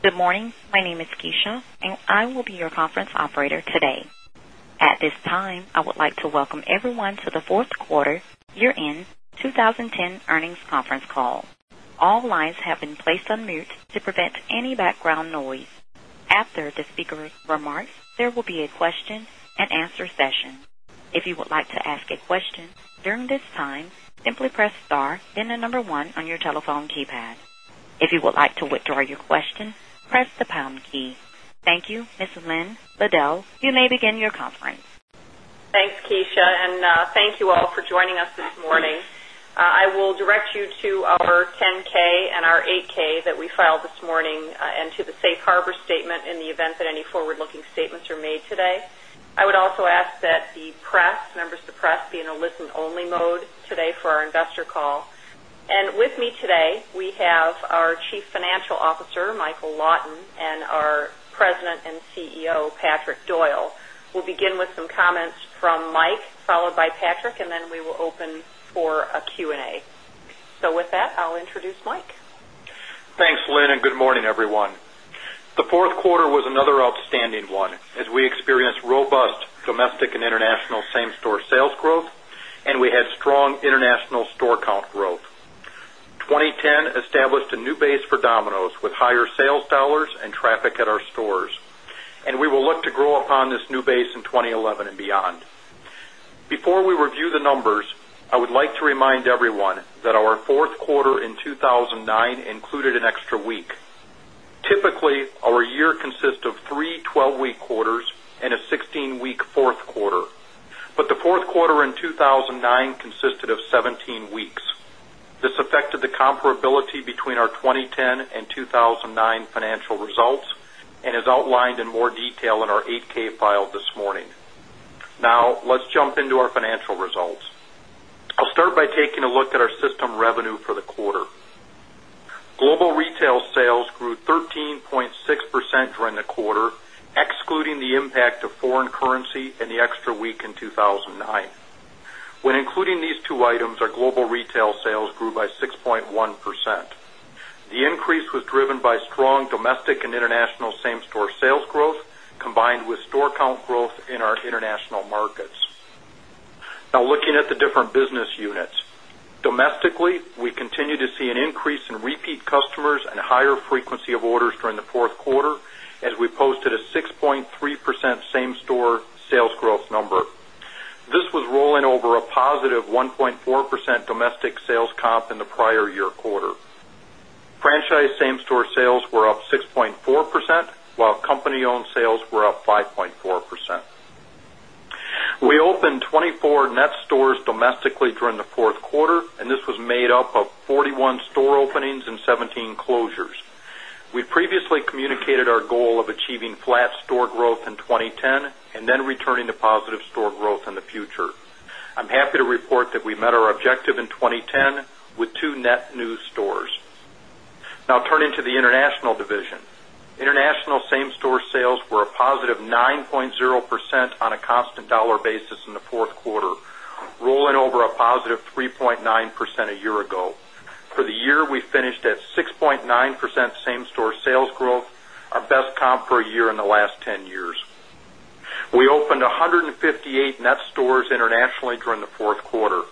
Good morning. My name is Keisha and I will be your conference operator today. At this time, I would like to welcome everyone to the Fourth Quarter Year End twenty ten Earnings Conference Call. All lines have been placed on mute to prevent any background noise. After the speakers' remarks, there will be a question and answer session. Thank you. Ms. Lynn Liddell, you may begin your conference. Thanks, Kecia, and thank you all for joining us this morning. I will direct you to our 10 ks and our eight ks that we filed this morning and to the Safe Harbor statement in the event that any forward looking statements are made today. I would also ask that the press, members of the press be in a listen only mode today for our investor call. And with me today, we have our Chief Financial Officer, Michael Lawton and our President and CEO, Patrick Doyle. We'll begin with some comments from Mike, followed by Patrick, and then we will open for a Q and A. So with that, I'll introduce Mike. Thanks, Lynn, and good morning, everyone. The fourth quarter was another outstanding one as we experienced robust domestic and international same store sales growth, and we had strong international store count growth. Growth. 2010 established a new base for Domino's with higher sales dollars and traffic at our stores, and we will look to grow upon this new base in 2011 and beyond. Before we review the numbers, I would like to remind everyone that our fourth quarter in 2009 included an extra week. Typically, our year consists of three twelve week quarters and a sixteen week fourth quarter, but the fourth quarter in 2009 consisted of seventeen weeks. This affected the comparability between our 2010 and 2009 financial results and is outlined in more detail in our eight ks filed this morning. Now, let's jump into our financial results. I'll start by taking a look at our system revenue for the quarter. Global retail sales grew 13.6 during the quarter, excluding the impact of foreign currency and the extra week in 02/2009. When including these items, our global retail sales grew by 6.1%. The increase was driven by strong domestic and international same store sales growth, combined with store count growth in our international markets. Now looking at the different business units. Domestically, we continue to see an increase in repeat customers and higher frequency of orders during the fourth quarter as we posted a 6.3% same store sales growth number. This was rolling over positive 1.4% domestic sales comp in the prior year quarter. Franchise same store sales were up 6.4%, while company owned sales were up 5.4%. We opened 24 net stores domestically during the fourth quarter, and this was made up of 41 store openings and 17 closures. We previously communicated our goal of achieving flat store growth 2010 and then returning to positive store growth in the future. I'm happy to report that we met our objective in 2010 with two net new stores. Now turning to the International division. International same store sales were a positive 9% on a constant dollar basis in the fourth quarter, rolling over a positive 3.9% a year ago. For the year, we finished at 6.9% same store sales growth, our best comp per year in the last ten years. We opened 158 net stores internationally during the fourth quarter.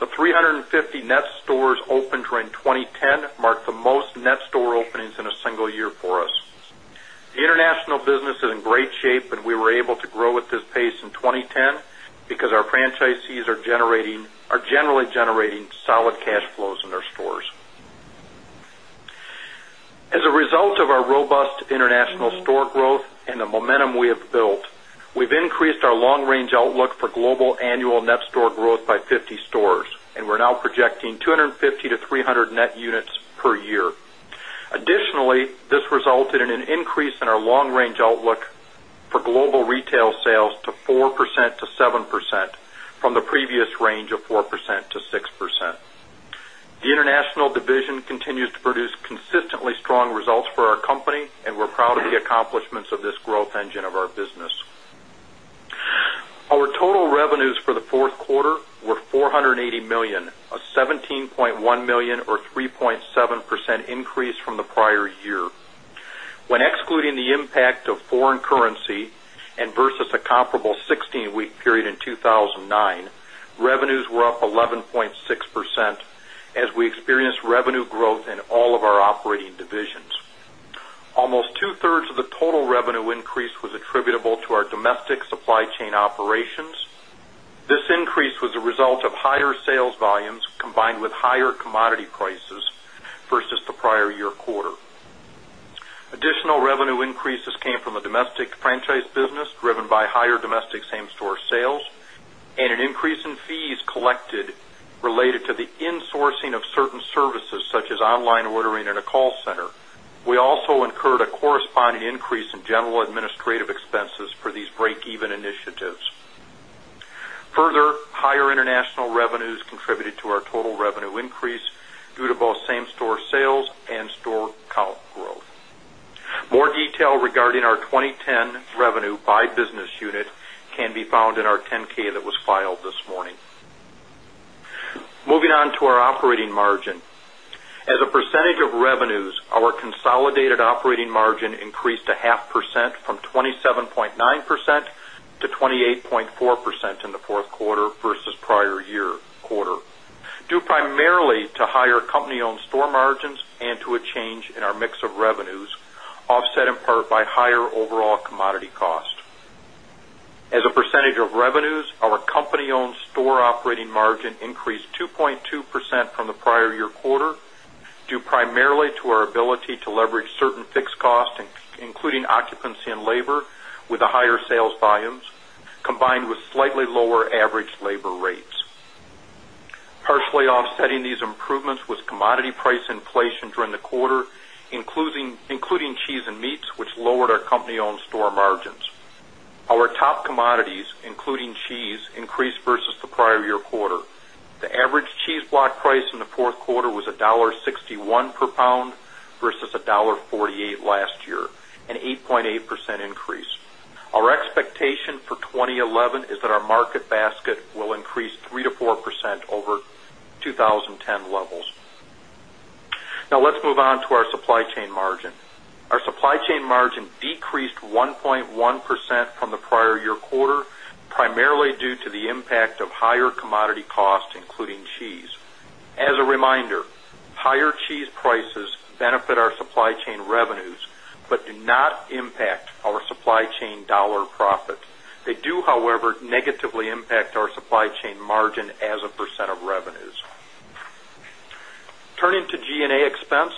The three fifty net stores opened during 2010 marked the most net store openings in a single year for us. The international business is in great shape, and we were able to grow at this pace in 2010 because our franchisees are generating are generally generating solid cash flows in their stores. As a result of our robust international store growth and the momentum we have built, we've increased our long range outlook for global annual net store growth by 50 stores, and we're now projecting two fifty to 300 net units per year. Additionally, this resulted in an increase in our long range outlook for global retail sales to 4% to 7% from the previous range of 4% to 6%. The international division continues to produce consistently strong results for our company, and we're proud of the accomplishments of this growth engine of our business. Our total revenues for the fourth quarter were $480,000,000 million dollars or 3.7% increase from the prior year. When excluding the impact of foreign currency and versus a comparable sixteen week period in 02/2009, revenues were up 11.6% as we experienced revenue growth in all of our operating divisions. Almost two thirds of the total revenue increase was attributable to our domestic supply chain operations. This increase was a result of higher sales volumes combined with higher commodity prices versus the prior year quarter. Additional revenue increases came from the domestic franchise business driven by higher domestic same store sales and an increase in fees collected related to the in sourcing of certain services such as online ordering in a call center. We also incurred a corresponding increase in general and administrative expenses for these breakeven initiatives. Further, higher international revenues contributed to our total revenue increase due to both same store sales and store count growth. More detail regarding our 2010 revenue by business unit can can be found in our 10 ks that was filed this morning. Moving on to our operating margin. As a percentage of revenues, our consolidated operating margin increased 0.5% from 27.9% margin to 28.4% in the fourth quarter versus prior year quarter, due primarily to higher company owned store margins and to a change in our mix of revenues, offset in part by higher overall commodity cost. As a percentage of revenues, our company owned store operating margin increased 2.2% from the prior year quarter due primarily to our ability to leverage certain fixed costs, including occupancy and labor with the higher sales volumes, combined with slightly lower average labor rates. Partially offsetting these improvements was commodity price inflation during the quarter, including cheese and meats, which lowered our company owned store margins. Our top commodities, including cheese, increased versus the prior year quarter. The average cheese block price in the fourth quarter was $1.61 per pound versus $48 last year, an 8.8% increase. Our expectation for 2011 is that our market basket will increase 3% to 4% over 2010 levels. Now let's move on to supply chain margin. Our supply chain margin decreased 1.1% from the prior year quarter, primarily due to the impact of higher commodity costs, including levels. Higher cheese prices benefit our supply chain revenues, but do not impact our supply chain dollar profit. They do however negatively impact our supply chain margin as a percent of revenues. Turning to G and A expense.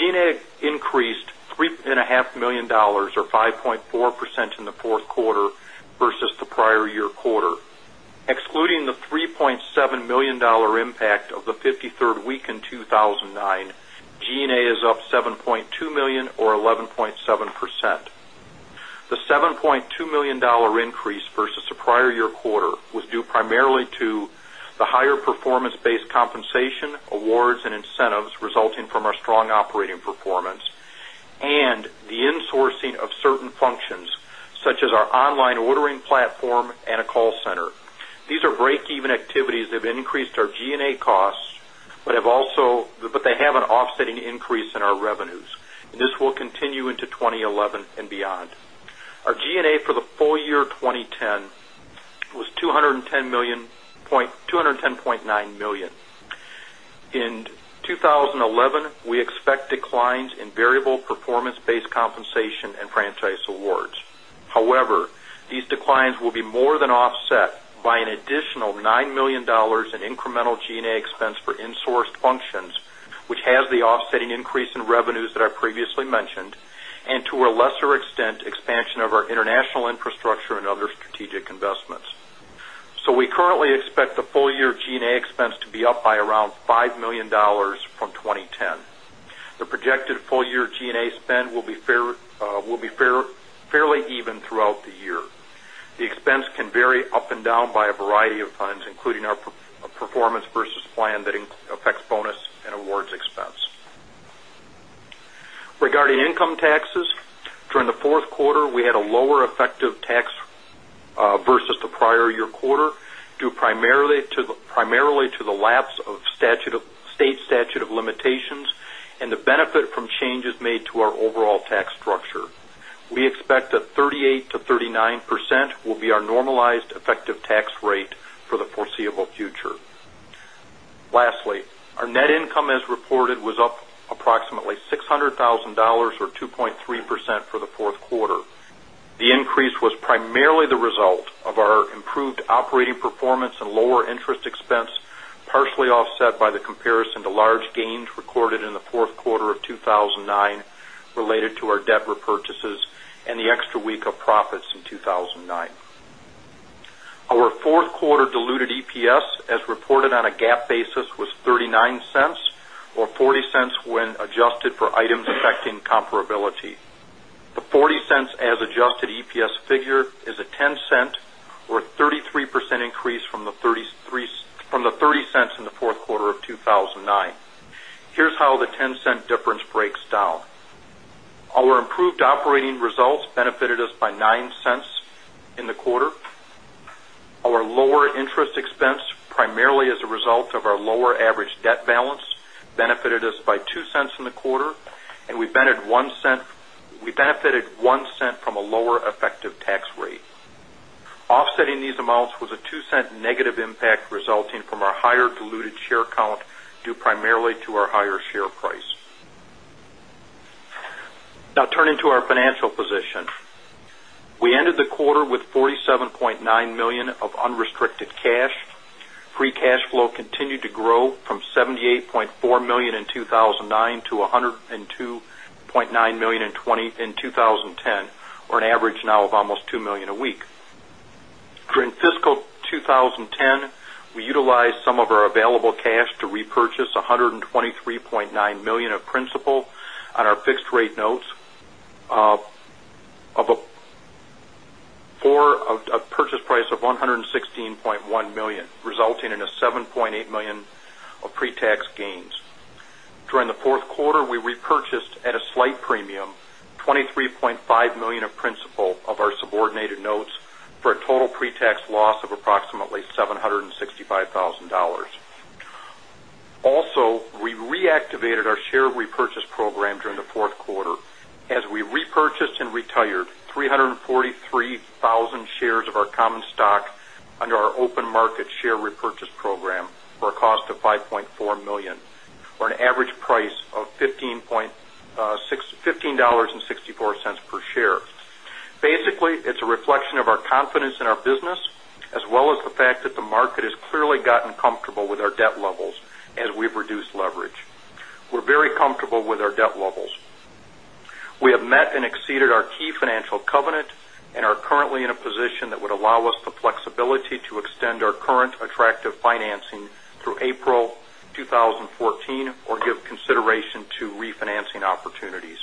G and A increased $3,500,000 or 5.4% in the fourth quarter versus the prior year quarter. Excluding the $3,700,000 impact of the fifty third week in 02/2009, G and A is up $7,200,000 or 11.7%. The $7,200,000 increase versus the prior year quarter was due primarily to the higher performance based compensation, awards and incentives resulting from our strong operating performance and the in sourcing of certain functions such as our online ordering platform and a call center. These are breakeven activities that have increased our G and A costs, but have also but they have an offsetting increase in our revenues. And this will continue into 2011 and beyond. Our G and A for the full year 2010 was $210,900,000 In 2011, we expect declines in variable performance based compensation and franchise awards. However, these declines will be more than offset by an additional $9,000,000 in incremental G and A expense for in sourced functions, which has the offsetting increase in revenues that I previously mentioned, and to a lesser extent, expansion of our international infrastructure and other strategic investments. So currently expect the full year G and A expense to be up by around $5,000,000 from 2010. The projected full year G and A spend will be fairly even throughout the year. The expense can vary up and down by a variety of funds, including our performance versus plan that affects bonus and awards expense. Regarding income taxes, during the fourth quarter, we had a lower effective tax versus the prior year quarter due primarily to the lapse of state statute of limitations and the benefit from changes made to our overall tax structure. We expect that 389% will be our normalized effective tax rate for the foreseeable future. Lastly, our net income as reported was up approximately $600,000 or 2.3% for the fourth quarter. Increase was primarily the result of our improved operating performance and lower interest expense, partially offset by the comparison to large gains recorded in the February related to our debt repurchases and the extra week of profits in 02/2009. Our fourth quarter diluted EPS as reported on a GAAP basis was zero three nine dollars or $0.40 when adjusted for items affecting comparability. The $0.40 as adjusted EPS figure is a $0.10 or 33% increase from the $0.30 in the February. Here's how dollars difference breaks down. Our improved operating results benefited us by $09 in the quarter. Our lower interest expense, primarily as a result of our lower average debt balance, benefited us by $02 in the quarter, and we benefited $10 from a lower effective tax rate. Offsetting these amounts was primarily to our higher share price. Now turning to our financial position. We ended the quarter with $47,900,000 of unrestricted cash. Free cash flow continued to grow from $78,400,000 in 2009 to $102,900,000 in 2010 or an average now of almost $2,000,000 a week. During fiscal twenty ten, we utilized some of available cash to repurchase $123,900,000 of principal on our fixed rate notes of a purchase price of $116,100,000 resulting $7,800,000 of pretax gains. During the fourth quarter, we repurchased at a slight premium $23,500,000 of principal of our subordinated notes for a total pretax loss of approximately $765,000 Also, we reactivated our share repurchase program during the fourth quarter as we repurchased and retired 343,000 shares of our common stock under our open market share repurchase program for a cost of $5,400,000 or an average price of $15.64 per share. Basically, it's a reflection of our confidence in our business, as well as the fact that the market has clearly gotten comfortable with our debt levels as we've reduced leverage. We're very comfortable with our debt levels. We have met and exceeded our key financial covenant and currently in a position that would allow us the flexibility to extend our current attractive financing through April 2014 or give consideration to refinancing opportunities.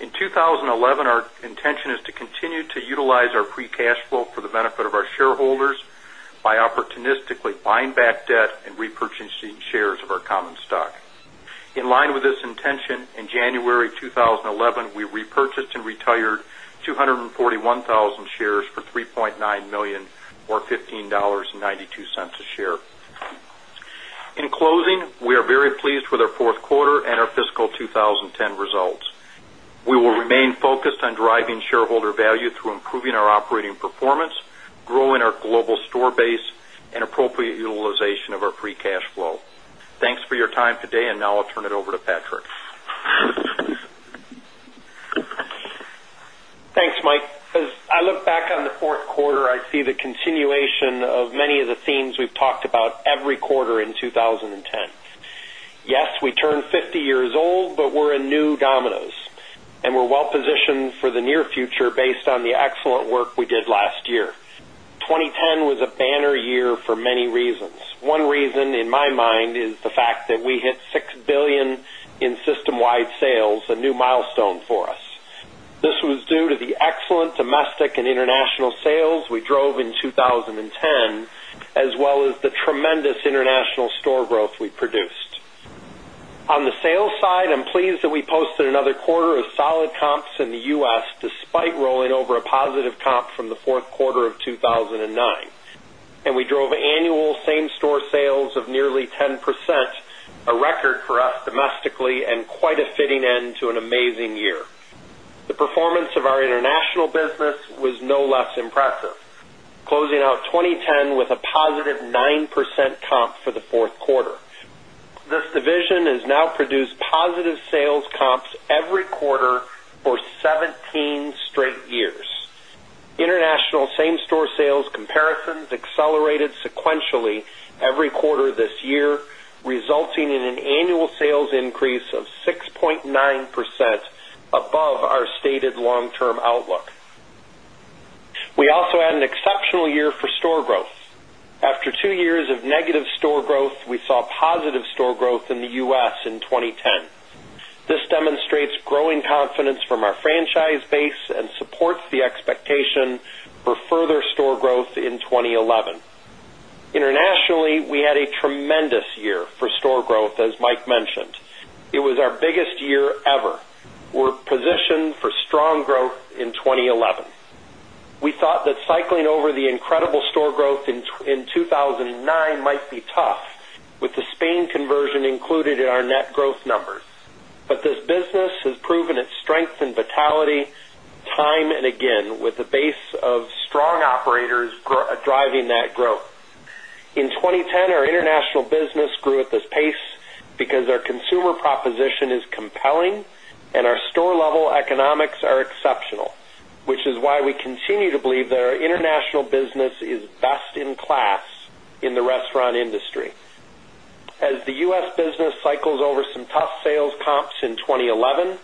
In 2011, our intention is to continue to utilize our free cash flow for the benefit of our shareholders by opportunistically buying back debt and repurchasing shares of our common stock. In line with this intention, intention, in January 2011, we repurchased and retired 241,000 shares for $3,900,000 or $15.92 a share. In closing, we are very pleased with our fourth quarter and our fiscal twenty ten results. We will remain focused on driving shareholder value through improving our operating performance, growing our global store base and appropriate utilization of our free cash flow. Thanks for your time today. And now I'll turn it over to Patrick. Thanks, Mike. As I look back on the fourth quarter, I see the continuation of many of the themes we've talked about every quarter in 2010. Yes, we turned 50 years old, but we're a new Domino's, and we're well positioned for the near future based on the excellent work we did last year. 2010 was a banner year for many reasons. One reason, in my mind, is the fact that we hit $6,000,000,000 in system wide sales, a new milestone for us. This was due to the excellent domestic and international sales we drove in 2010 as well as the tremendous international store growth produced. On the sales side, I'm pleased that we posted another quarter of solid comps in The U. S. Despite rolling over a positive comp from the February. And we drove annual same store sales of nearly 10%, a record for us domestically and quite a fitting end to an amazing year. The performance of our international business was no less impressive, closing out 2010 with positive 9% comp for the fourth quarter. This division has now produced positive sales comps every quarter for seventeen straight years. International same store sales comparisons accelerated sequentially every quarter this year, resulting in an annual sales increase of 6.9% above our stated long term outlook. Same We also had an exceptional year for store growth. After two years of negative store growth, we saw positive store growth in The U. S. In 2010. This demonstrates growing confidence from our franchise base and supports the expectation for further store growth in 2011. Internationally, we had a tremendous year for store growth, as Mike mentioned. It was our biggest year ever. We're positioned strong growth in 2011. We thought that cycling over the incredible store growth in 2009 might be tough with the Spain conversion included in our net growth numbers. But this business has proven its strength and vitality time and again with a base of strong operators driving that growth. In 2010, our international business grew at this pace because compelling and our store level economics are exceptional, which is why we continue to believe that our international business is best in class in the restaurant industry. As The U. S. Business cycles over some tough sales comps in 2011,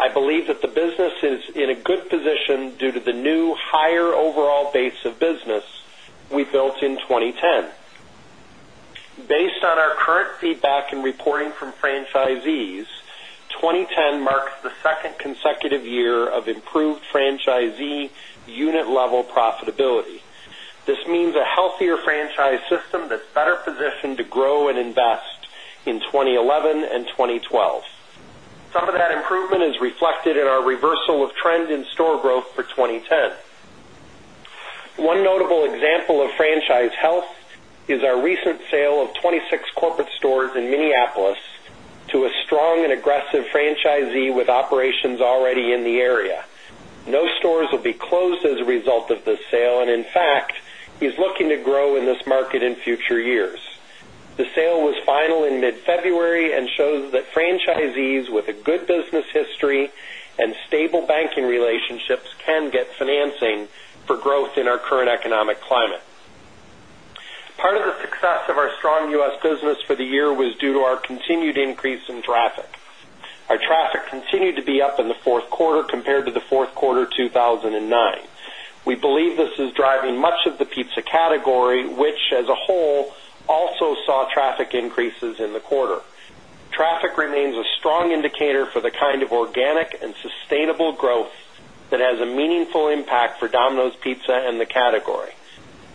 I believe that the business is in a good position due to the new higher overall base of business we built in 2010. Based on our current feedback and reporting from franchisees, 2010 marks the second consecutive year of improved franchisee unit level profitability. This means a healthier franchise system that's better positioned to grow and invest in 2011 and 2012. Some of that improvement is reflected in our reversal of trend in store growth for 2010. One notable example of franchise health is our recent sale of 26 corporate stores in Minneapolis to a strong and aggressive franchisee with operations already in the area. No stores will be closed as a result of this sale, and in fact, he's looking to grow in this market in future years. The sale was final in mid February and shows that franchisees with a good business history and stable banking relationships can get financing for growth in our current economic climate. Part of the success of our strong U. S. Business for the year was due to our continued increase in traffic. Our traffic continued to be up in the fourth quarter compared to the fourth quarter two two thousand and nine. We believe this is driving much of the pizza category, which as a whole also saw traffic increases in the quarter. Traffic remains a strong indicator for the kind of organic sustainable growth that has a meaningful impact for Domino's Pizza and the category.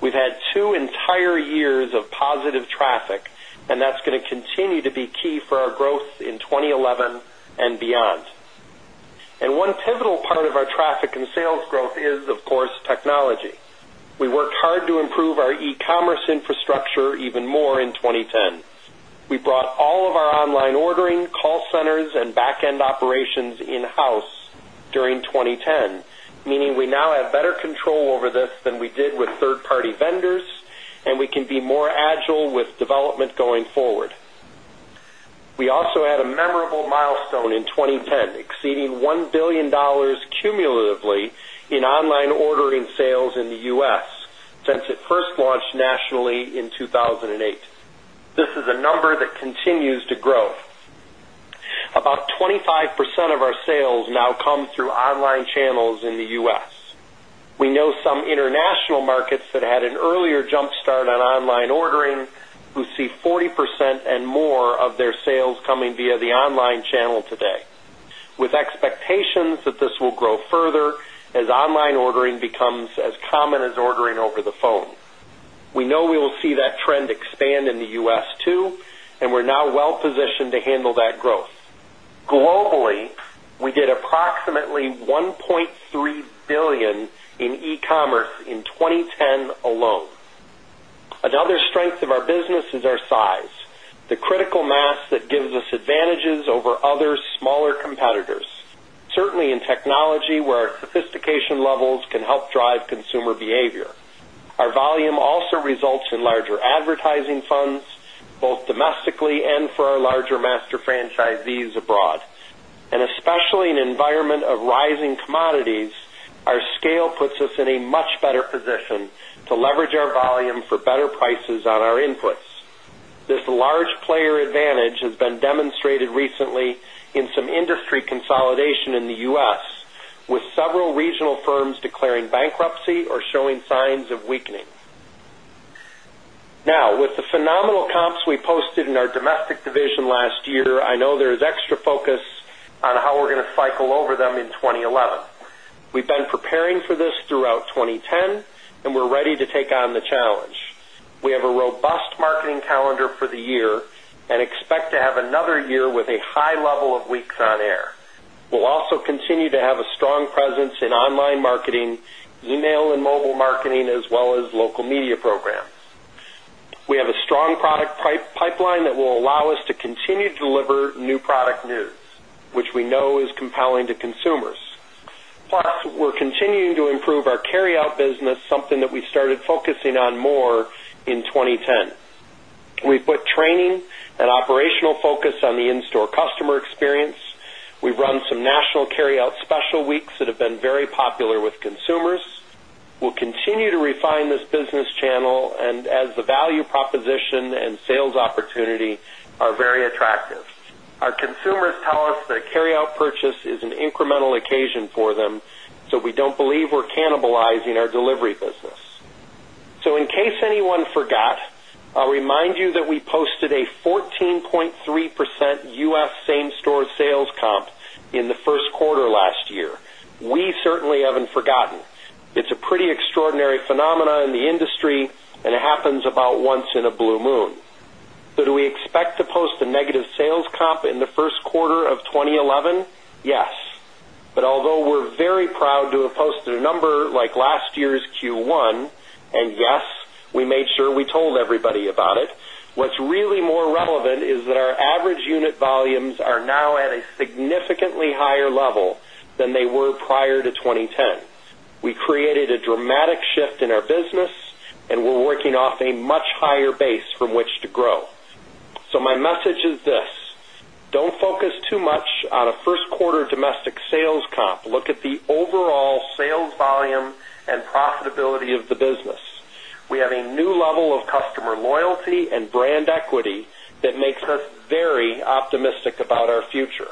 We've had two entire years of positive traffic, and that's going to continue to be key for our growth in 2011 and beyond. And one pivotal part of our traffic and sales growth is, of course, technology. We worked hard to improve our e commerce infrastructure even more in 2010. We brought all of our online ordering, call centers and back end operations in house during 2010, meaning we now have better control over this than we did with third party vendors, and we can be more agile with development going forward. We also had a memorable milestone in 2010, exceeding $1,000,000,000 cumulatively in online ordering sales in The U. S. Since it first launched nationally in 02/2008. This is a number that continues to grow. About 25% of our sales now come through online channels in The U. S. We know some international markets that had an earlier jump start on online ordering who see 40% and more of their sales coming via the online channel today, with expectations that this will grow further as online ordering becomes as common as ordering over the phone. We know we will see that trend expand in The U. S, too, and we're now well positioned to handle that growth. Globally, we did approximately $1,300,000,000 in e commerce in 2010 alone. Another strength of our business is our size, the critical mass that gives us advantages over other smaller competitors, certainly in technology where our sophistication levels can help drive consumer behavior. Our volume also results in larger advertising funds, both domestically and for our larger master franchisees abroad. And especially in an environment of rising commodities, our scale puts us in a much better position to leverage our volume for better prices on our inputs. This large player advantage has been demonstrated recently in some industry consolidation in The U. S. With several regional firms declaring bankruptcy or showing signs of weakening. Now with the phenomenal comps we posted in our domestic division last year, I know there is extra focus on how we're going to cycle over them in 2011. We've been preparing for this throughout 2010, and we're ready to take on the challenge. We have a robust marketing calendar for the year and expect to have another year with a high level of weeks on air. We'll also continue to have a strong presence in online marketing, email and mobile marketing as well as local media programs. We have a strong product pipeline that will allow us to continue to deliver new product news, which we know is compelling to consumers. Plus, we're continuing to improve our carryout business, something that we started focusing on more in 2010. We put training and operational focus on the in store customer experience. We've run some national carryout special weeks that have been very popular with consumers. We'll continue to refine this business channel and as the value proposition and sales opportunity are very attractive. Our consumers tell us that carryout purchase is an incremental occasion for them, so we don't believe we're cannibalizing our delivery business. So in case anyone forgot, I'll remind you that we posted a 14.3% U. S. Same store sales comp in the first quarter last certainly haven't forgotten. It's a pretty extraordinary phenomenon in the industry, and it happens about once in a blue moon. So do we expect to post a negative sales comp in the first quarter of twenty eleven? Yes. But although we're very proud to have posted a number like last year's Q1, and yes, we made sure we told everybody about it, what's really more relevant is that our average unit volumes are now at a significantly higher level than they were prior to 2010. We created a dramatic shift in our business, and we're working off a much higher base from which to grow. So my message is this: don't focus too much on a first quarter domestic sales comp. Look at the overall sales volume and profitability of the business. We have a new level of customer loyalty and brand equity that makes us very optimistic about our future.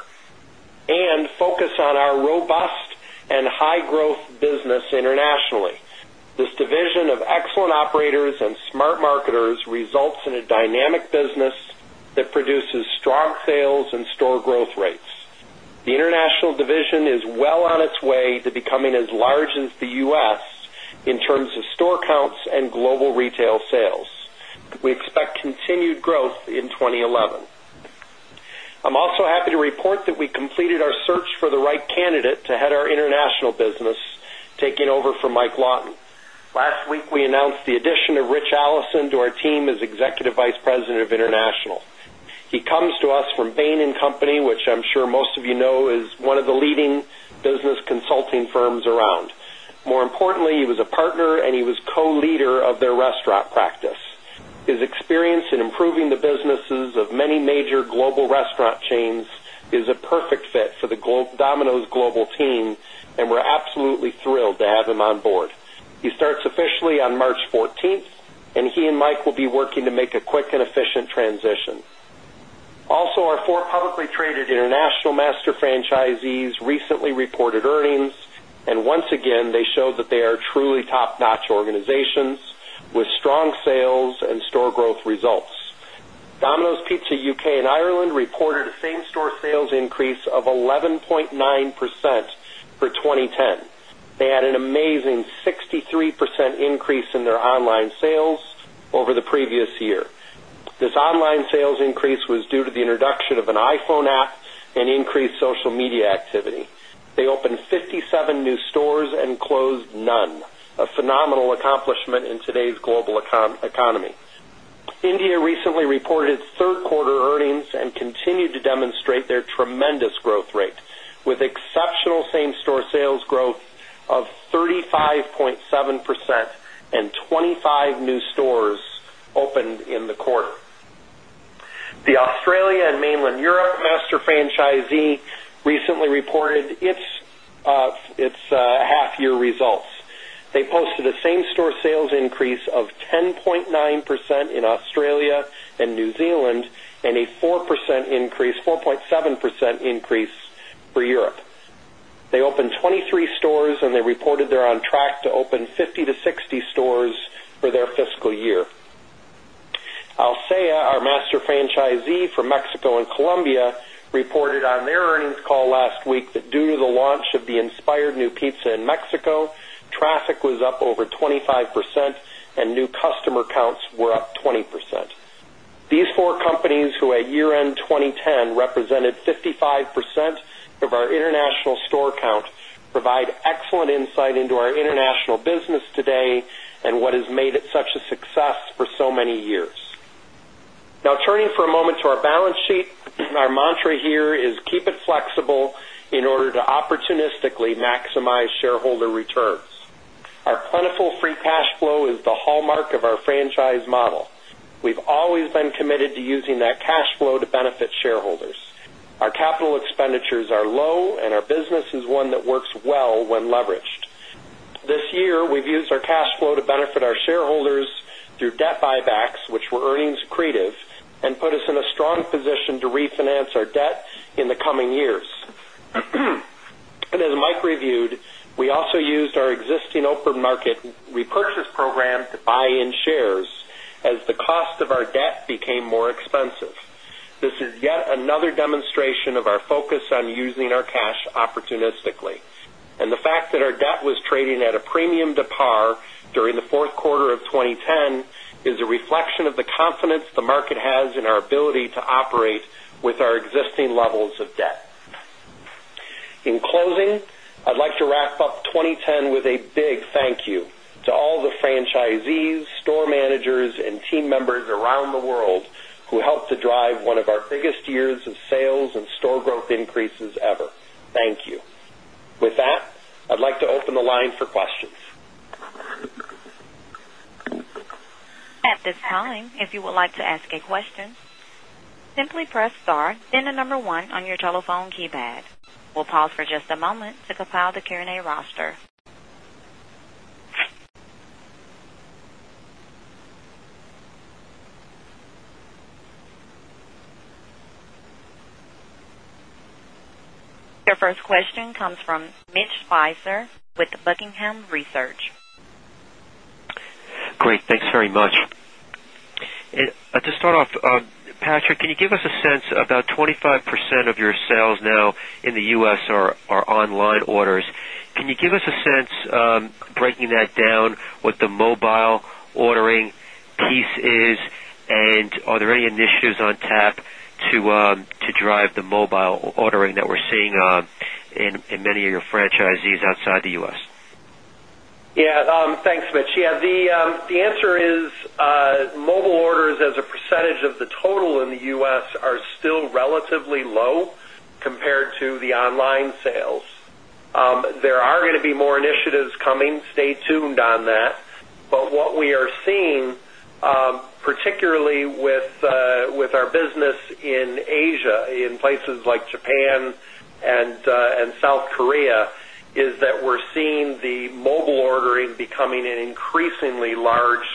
And focus on our robust and high growth business internationally. This division of excellent operators and smart marketers results in a dynamic business that produces strong sales and store growth rates. The International division is well on its way to becoming as large as The U. S. In terms of store counts and global retail sales. We expect continued growth in 2011. I'm also happy to report that we completed our search for the right candidate to head our international business, taking over for Mike Lawton. Last week, we announced the addition of Rich Allison to our team as Executive Vice President of International. He comes to us from Bain and Company, which I'm sure most of you know is one of the leading business consulting firms around. More importantly, he was a partner and he was co leader of their restaurant practice. His experience in improving the businesses of many major restaurant chains is a perfect fit for the Domino's global team, and we're absolutely thrilled to have him on board. He starts officially on March 14, and he and Mike will be working to make a quick and efficient transition. Also, our four publicly traded international master franchisees recently reported earnings, and once again, they showed that they are truly top notch organizations with strong sales and store growth results. Domino's Pizza UK and Ireland reported a same store sales increase of 11.9% for 2010. They had an amazing 63% increase in their online sales over the previous year. This online sales increase was due to the introduction of an iPhone app and increased social media activity. They opened 57 new stores and closed none, a phenomenal accomplishment in today's global economy. India recently reported its third quarter earnings and continued to demonstrate their tremendous growth rate with exceptional same store sales growth of thirty five point seven percent and twenty five new stores opened in the quarter. The Australia And Mainland Europe master franchisee recently reported its half year results. They posted a same store sales increase of 10.9% in Australia and New Zealand and a 4% increase 4.7% increase for Europe. They opened 23 stores and they reported they're on track to open 50 to 60 stores Alseia, our master franchisee for Mexico and Colombia, reported on their earnings call last week that due to the launch of the inspired new pizza traffic was up over 25 and new customer counts were up 20%. These four companies who at year end 2010 represented 55% of our international store count provide excellent insight into our international business today and what has made it such a success for so many years. Now turning for a moment to our balance sheet. Our mantra here is keep it flexible in order to opportunistically maximize shareholder returns. Our plentiful free cash flow is the hallmark of our franchise model. We've always been committed to using that cash flow to benefit shareholders. Our capital expenditures are low and our business is one that works well when leveraged. This year, we've used our cash flow to benefit our shareholders through debt buybacks, which were earnings accretive and put us in a strong position to refinance our debt in the coming years. And as Mike reviewed, we also used our existing open market repurchase program to buy in shares as the cost of our debt became more expensive. This is demonstration of our focus on using our cash opportunistically. And the fact that our debt was trading at a premium to par during the fourth quarter of twenty ten is a reflection of the confidence the market has in our ability to operate with our existing levels of debt. In closing, I'd like to wrap up 2010 with a big thank you to all the franchisees, store managers and team members around the world who helped to drive one of our biggest years of sales and store growth increases ever. Thank you. With that, I'd like to open the line for questions. Great. Thanks very much. To start off, Patrick, can you give us a sense about 25 of your sales now in The U. S. Are online orders. Can you give us a sense breaking that down what the mobile ordering piece is? And are there any initiatives on tap to drive drive the mobile ordering that we're seeing in many of your franchisees outside The U. S? Yes. Thanks, Mitch. Yes, the answer is mobile orders as a percentage of the total in The U. S. Are still relatively low compared to the online sales. There are going to be more initiatives coming, stay tuned on that. But what we are seeing, particularly with our business Asia, in places like Japan and South Korea, is that we're seeing the mobile ordering becoming an increasingly large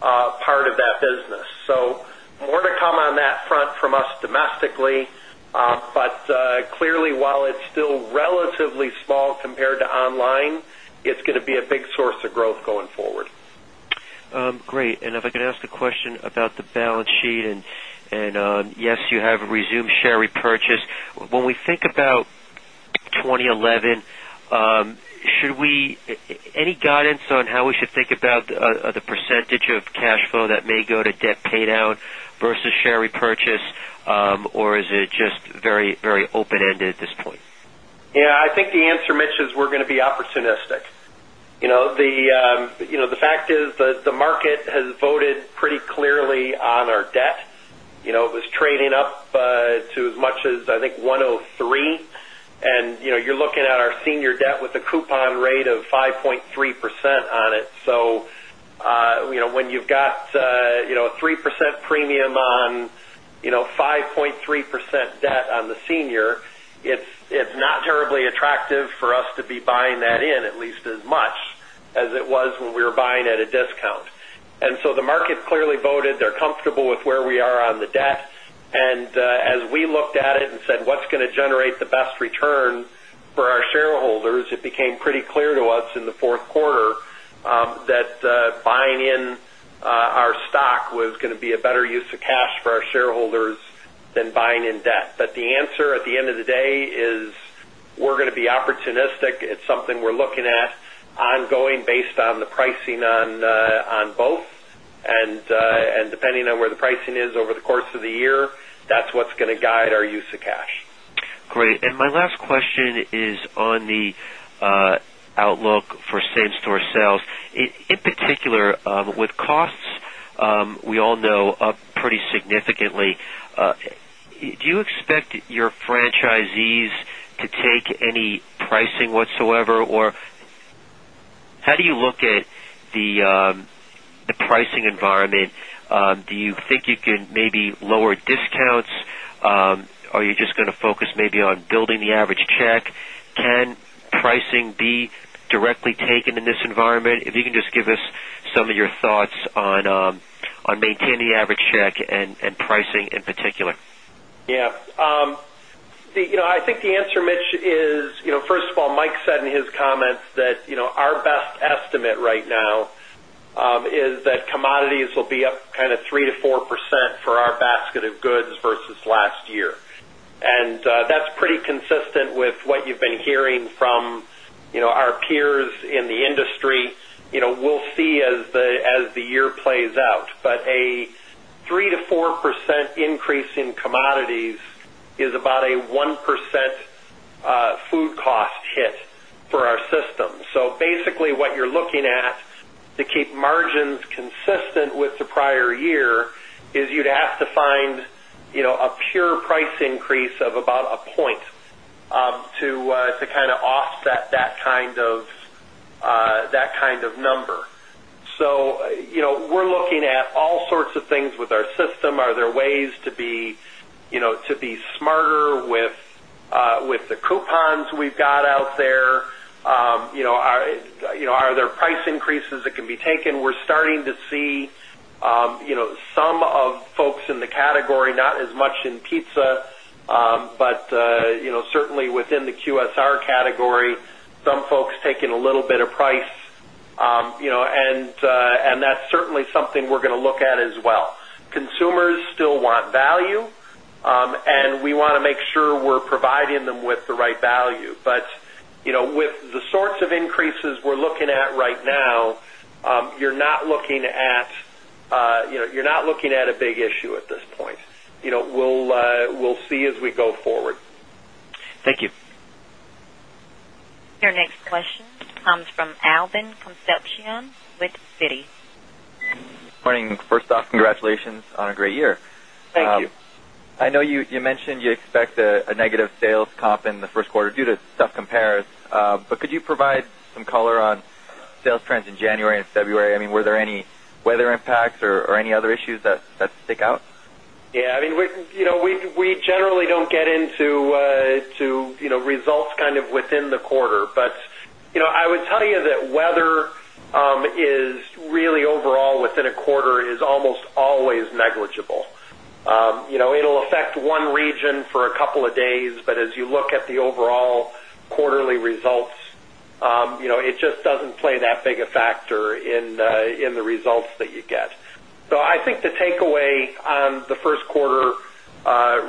part of that business. So more to come on that front from us domestically. But clearly, while it's still relatively small compared to online, it's going to be a big source of growth going forward. Great. And if I can ask a question about the balance sheet. And yes, you have resumed share repurchase. When we think about 2011, should we any guidance on how we should think about the percentage of cash flow that may go to debt pay down versus share repurchase? Or is it just very, very open ended at this point? Yes. I think the answer, Mitch, is we're going to be opportunistic. The fact is that the market has voted pretty clearly on our debt. It was trading up to much as, I think, 103,000,000. And you're looking at our senior debt with a coupon rate of 5.3% on it. So when you've got a 3% premium on 5.3% debt on the senior, it's not terribly attractive for us to be buying that in at least as much as it was when we were buying at a discount. And so the market clearly voted, they're comfortable with where we are on the debt. And as we looked at it and said, what's going to generate the best return for our shareholders, it became pretty clear to us in the fourth quarter that buying in our stock was going to be a better use of cash for our shareholders than buying in debt. But the answer at the end of the day is we're going to be opportunistic. It's something we're looking at ongoing based depending on where the pricing is over the course of the year, that's what's going to guide our use of cash. Great. And my last question is on the outlook for same store sales. In particular, with costs, we all know up pretty significantly, do you expect your franchisees to take any pricing whatsoever? Or how do you look at the pricing environment? Do you think you can maybe lower discounts? Are you just going to focus maybe on building the average check? Can pricing be directly taken in this environment? If you can just give us some of your thoughts on maintaining average check and pricing in particular? Yes. I think the answer, Mitch, is first of all, Mike said in his comments estimate right now is that commodities will be up kind of 3% to 4% for our basket of goods versus last year. And that's pretty consistent with what you've been hearing from our peers in industry, we'll see as the year plays out. But a 3% to 4% increase in commodities is about a 1% food cost hit for our system. So basically, what you're looking at to keep margins consistent with the prior year is you'd have to find a pure price increase of about point to kind of offset that kind of number. So we're looking at all sorts of things with our system. Are there ways to be smarter with the coupons we've got out there? Are there price increases that can be taken? We're starting to see some of folks in the category, not as much in pizza, but certainly within the QSR category, some folks taking a little bit of price. And that's certainly something we're going to look at as well. Consumers still want value, and we want to make sure we're providing them with the right value. But with the sorts of increases we're looking at right now, you're not looking at a big issue at this point. We'll see as we go forward. Thank you. Your next question comes from Alvin Concepcion with Citi. Good morning. First off, congratulations on a great year. Thank you. I know you mentioned you expect a negative sales comp in the first quarter due to tough compares. But could you provide some color on sales trends in January and February? I mean, there any weather impacts or any other issues that stick out? Yes. I mean, we generally don't get into results kind of within the quarter. But I would tell you that weather is really overall within a quarter is almost always negligible. It'll affect one region for a couple of days. But as you look at the overall quarterly results, it just doesn't play that big a factor in the results that you get. So I think the takeaway on the first quarter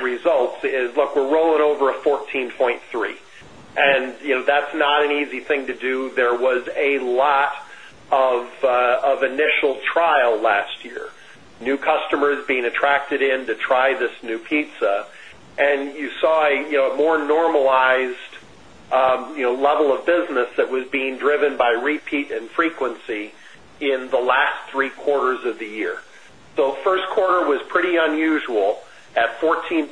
results is, look, we're rolling over a 14.3%. And that's not an easy thing to do. There was a lot of initial trial last year. New customers being attracted in to try this new pizza. And you saw a more normalized level of business that was being driven by repeat and frequency in the last three quarters of the year. So first quarter was pretty unusual at 14.3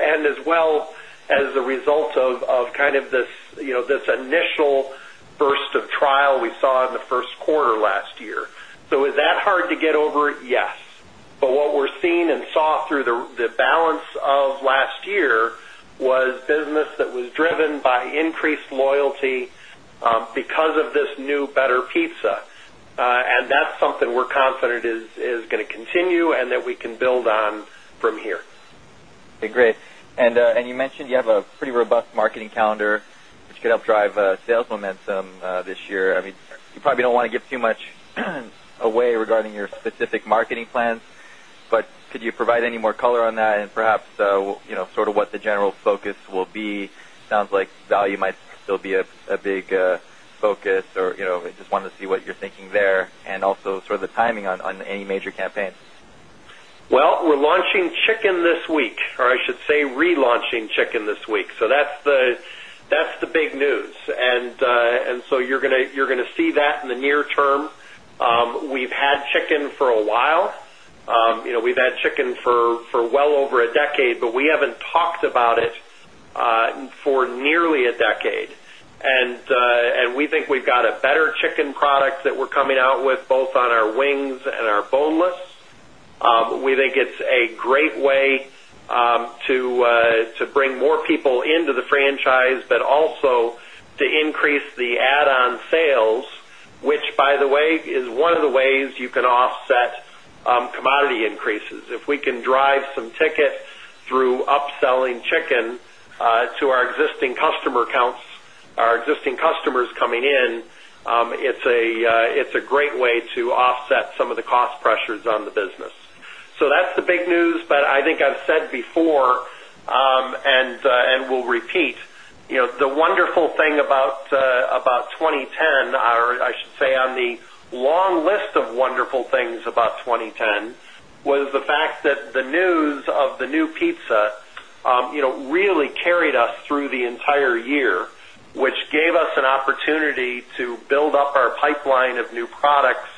and as well as the result of kind of this initial burst of trial we saw in the first quarter last year. So is that hard to get over? Yes. But what we're seeing and saw through the balance of last year was business that was driven by increased loyalty because of this new better pizza. And that's something we're confident is going to continue and that we can build on from here. Okay, great. And you mentioned you have a pretty robust marketing calendar, which could help drive sales momentum this year. I mean, you probably don't want to give too much away regarding your specific marketing plans. But could you provide any more color on that and perhaps sort of what the general focus will be? It sounds like value might still be a big focus or just want to see what you're thinking there and also sort of the timing on any major campaigns? Well, we're launching chicken this week or I should say relaunching chicken this week. So that's the big news. And so you're going to see that in the near term. We've had chicken for a while. We've had chicken for well over a decade, but we haven't talked about it for nearly a decade. And we think we've got a better chicken product that we're coming out with both on our wings and our boneless. We think it's a great way to bring more people into the franchise, but also to increase the add on sales, which, by the way, is one of the ways you can offset commodity increases. If we can drive some ticket through upselling chicken to our existing customer accounts, our existing customers coming in, it's a great way to offset some of the cost pressures on the business. So that's the big news. But I think I've said before and will repeat, the wonderful thing about 2010 or I should say, on the long list of wonderful things about 2010 was the fact that the news of the new pizza really carried us through the entire year, which gave us an opportunity to build up our pipeline of new products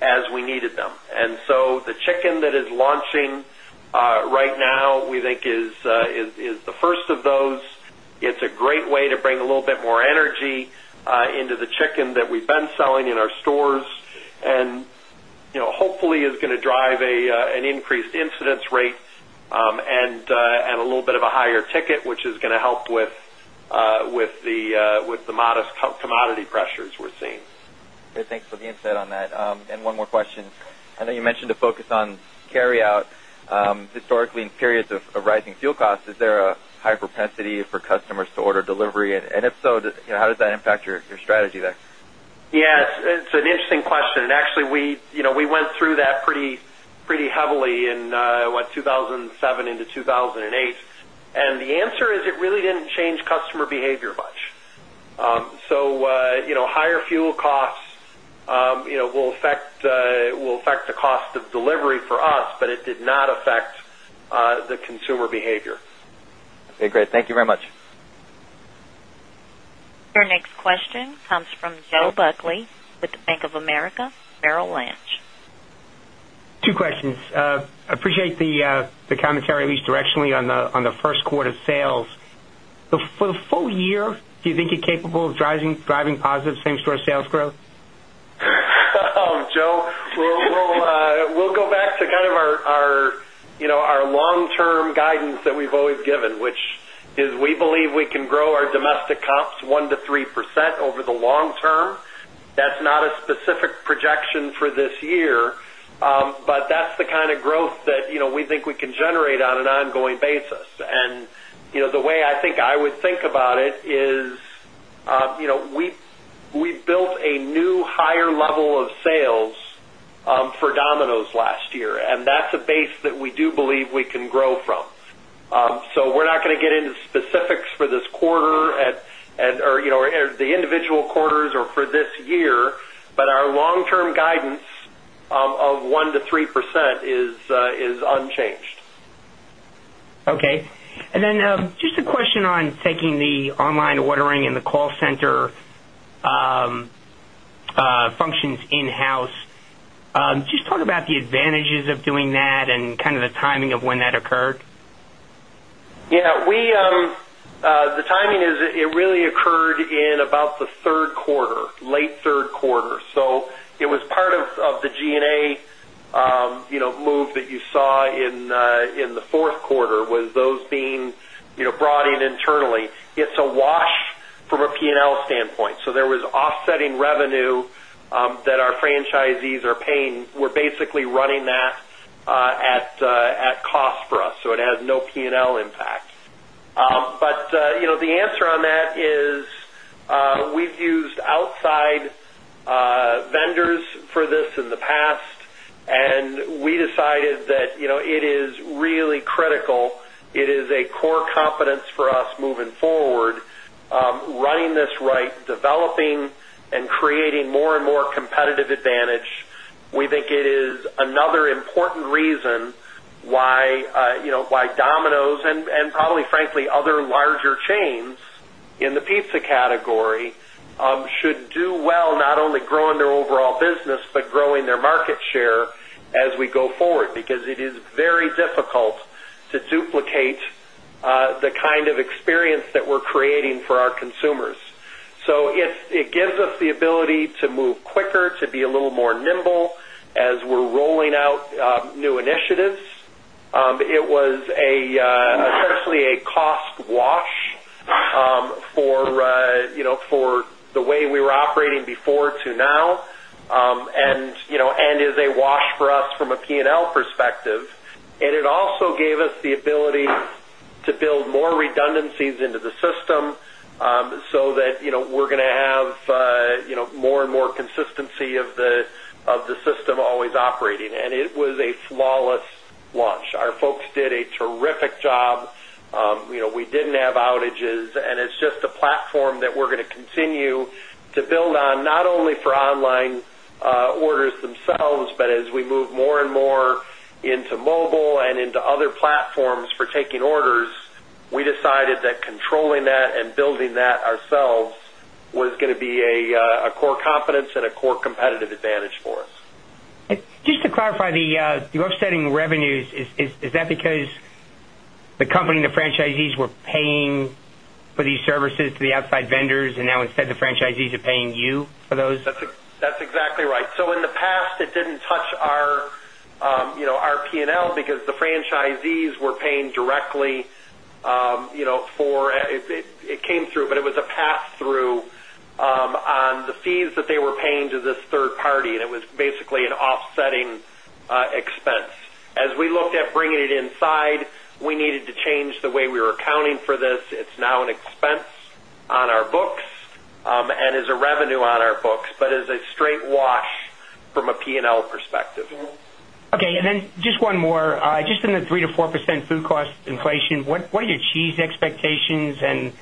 as we needed them. And so the chicken that is launching right now, we think, is the first of those. It's great way to bring a little bit more energy into the chicken that we've been selling in our stores and hopefully is going to drive an increased incidence rate a little bit of a higher ticket, which is going to help with the modest commodity pressures we're seeing. Okay. And one more question. I know you mentioned the focus on carryout. Historically, in periods of rising costs, is there a high propensity for customers to order delivery? And if so, how does that impact your strategy there? Yes. It's an interesting question. And actually, went through that pretty heavily in, what, 2007 into 02/2008. And the answer is it really didn't change customer behavior much. So higher fuel costs will affect the cost of delivery for us, but it did not affect the consumer behavior. Your next question comes from Joe Buckley with Bank of America Merrill Lynch. Two questions. I appreciate the commentary at least directionally on the first quarter sales. For the full year, do you think you're capable of driving positive same store sales growth? Joe, we'll go back to kind of our long term guidance that we've always given, which is we believe we can grow our domestic comps 1% to 3% over the long term. That's not a specific projection for this year, but that's the kind of growth that we think we can generate on an ongoing basis. And the way I think I would think about it is we built a new higher level of sales for Domino's last year, and that's a base that we do believe we can grow from. So we're not going to get into specifics for this quarter and or the individual quarters or for this year, but our long term guidance of 1% to 3% is unchanged. And then just a question on taking the online ordering in the call center functions in house. Just talk about the advantages of doing that and kind of the timing of when that occurred? Yes. We the timing is it really occurred in about the third quarter, late third quarter. So it was part of the G and A move that you saw in the fourth quarter was those being brought in internally. It's a wash from a P and L standpoint. So there was offsetting revenue that our franchisees are paying. We're basically running that at cost So it has no P and L impact. But the answer on that is we've used outside vendors for this in the past, and we decided that it is really critical. It is a core competence for us moving forward, running this right, developing and creating more and more competitive advantage. We think it is another important reason why Domino's and probably, frankly, other larger chains in the pizza category should do well, not only growing their overall but growing their market share as we go forward because it is very difficult to duplicate the kind of experience that we're creating for our consumers. So it gives us the ability to move quicker, to be a little more nimble as we're rolling out new initiatives. It was a essentially a cost wash for the way we were operating before to now and is a wash for us from a P and L perspective. And it also gave us the ability to build more redundancies into the system so that we're going to have more and more consistency of the system always operating. And it was a flawless launch. Our folks did a terrific job. We didn't have outages. And it's just a platform that we're going to continue to build on, not only for online orders themselves, but as we move more and more into mobile and into other platforms for taking orders, we decided that controlling that and building that ourselves was going to be a core competence and a core competitive advantage for us. Just to clarify, the offsetting revenues, is that because the company and the franchisees were paying for these services to the outside vendors and now instead the franchisees are paying you for those? That's exactly right. So in the past, it didn't touch our P and L because the franchisees franchisees were paying directly for it came through, but it was a pass through on the fees that they were paying to this third party, and it was basically an offsetting expense. As we looked at bringing it inside, we needed to change the way we were accounting for this. It's now an expense on our books and is a revenue on our books, but is a straight wash from a P and L perspective. Okay. And then just one more. Just in the 3% to 4% food cost inflation, what are your cheese expectations? And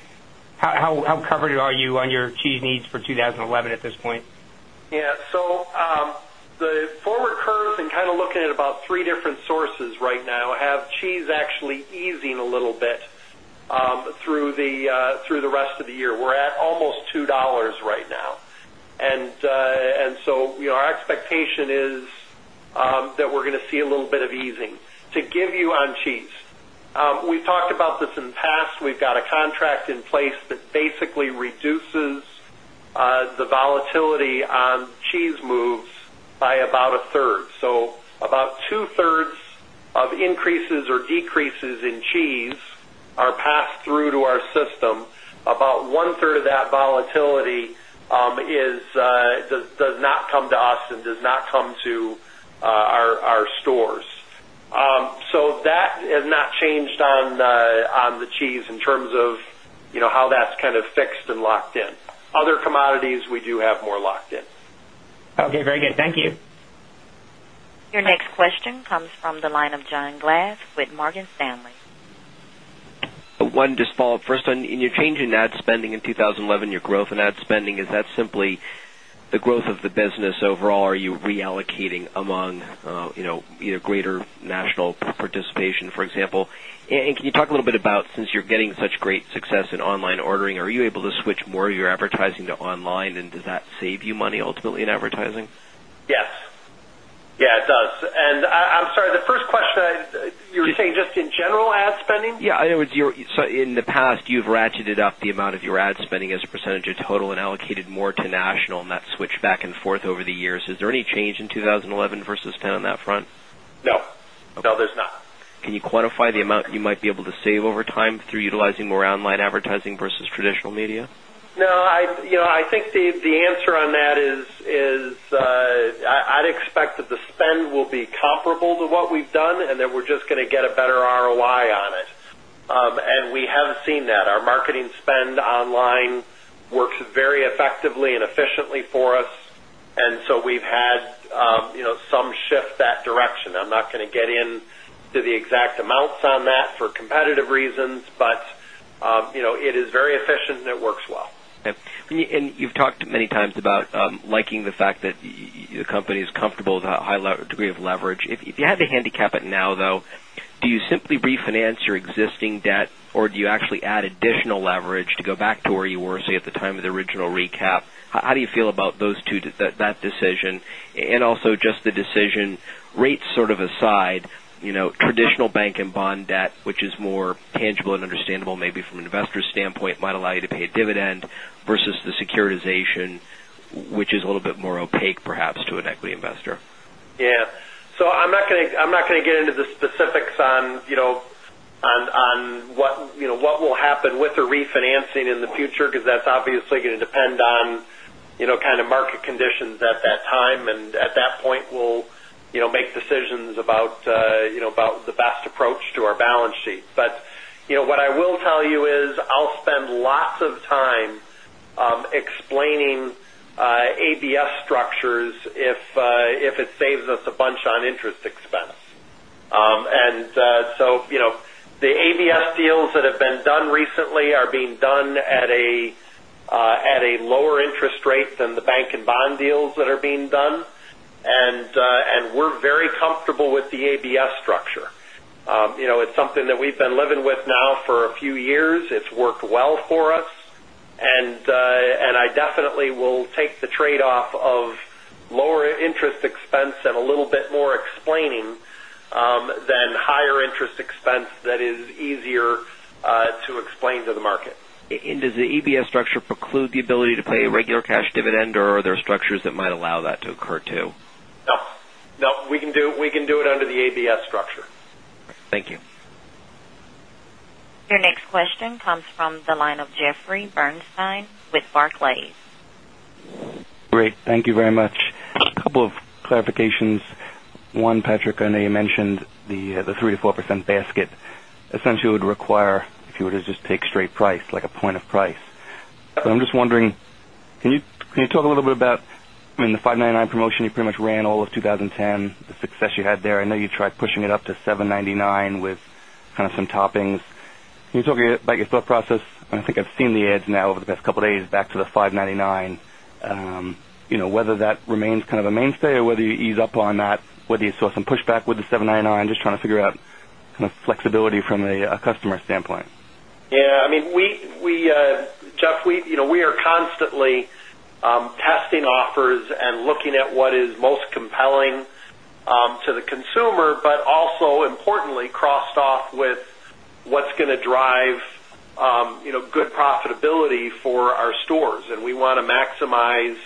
how covered are you on your cheese needs for 2011 at this point? Yes. So the former curve and kind of looking at about three different sources right now have cheese actually easing a little bit through the rest of the year. We're at almost $2 right now. And so our expectation is that we're going to see a little bit of easing. To give you on cheese, we've talked about this in the past. We've got a contract in place that basically reduces the volatility on cheese moves by So about twothree of increases or decreases in cheese are passed through to our system. About onethree of that volatility is does not come to us and does not come to our stores. So that has not changed on the cheese in terms of how that's kind of fixed and locked in. Other commodities, we do have more locked in. Your next question comes from the line of John Glass with Morgan Stanley. One just follow-up. First, on your change in ad spending in 2011, your growth in ad spending, is that simply the growth of the business overall? Are you reallocating among greater national participation, for example? And can you talk a little bit about since you're getting such great success in online ordering, are you able to switch more of your advertising to online? And does that save you money ultimately advertising? Yes. Yes, it does. And I'm sorry, the first question, were saying just in general ad spending? Yes. I know it's your so in the past, you've ratcheted up the amount of your ad spending as a percentage of total and allocated more to national and that switch back and forth over the years. Is there any change in 2011 versus 'ten on that front? No. No, there's not. Can you quantify the amount you might be able to save over time through utilizing more online advertising versus traditional media? No. I think the answer on that is I'd expect that the spend will be comparable to what we've done and that we're just going to get a better ROI on it. And we have seen that. Our marketing spend online works very effectively and efficiently for us. And so we've had some shift that direction. I'm not going to get into the exact amounts on that for competitive reasons, but it is very efficient and it works well. And you've talked many times about liking the fact that the company is comfortable with a high degree of leverage. If you had to handicap it now though, do you simply refinance your existing debt or do you actually add additional leverage to go back to where you were, say, at the time of the original recap? How do you feel about those two that decision? And also just the decision, rate sort of aside, traditional bank and bond debt, which is more tangible and understandable maybe from an investor standpoint, might allow you to pay a dividend versus the securitization, which is a little bit more opaque perhaps to an equity investor? Yes. So I'm not to get into the specifics on what will happen with the refinancing in the future because that's obviously going to depend on kind of market conditions at that time. And at that point, we'll make decisions about the best approach to our balance sheet. But what I will tell you is, I'll spend lots of time explaining ABS structures if it saves us a bunch on interest expense. And so the ABS deals that have been done recently are being done at a lower interest rate than the bank and bond deals that are being done. And we're very comfortable with the ABS structure. It's something that we've been living with now for a few years. It's worked well for us. And I definitely will take the trade off of lower interest expense and a little bit more explaining than higher interest expense that is easier to explain to the market. And does the EBS structure preclude the ability to pay a regular cash dividend or are there structures that might allow that to occur too? No, we can do it under the ABS structure. Your next question comes from the line of Jeffrey Bernstein with Barclays. Great. Thank you very much. A couple of clarifications. One, Patrick, I know you mentioned the 3% to 4% basket. Essentially, it would require if you were to just take straight point of price. But I'm just wondering, can you talk a little bit about, I mean, the $5.99 promotion you pretty much ran all of 2010, the success you had there. I know you tried pushing it up to $7.99 with kind of some toppings. Can you talk about your thought process? And I think I've seen the ads now over the past couple of days back to the $599,000,000 Whether that remains kind of a mainstay or whether you ease up on that, whether you saw some pushback with the $799,000,000 Just trying to figure out kind of flexibility from a customer standpoint. Yes. I mean, we Jeff, we are constantly testing offers and looking at what is most compelling to the consumer, but also importantly, crossed off with what's going to drive good profitability for our stores. And we want to maximize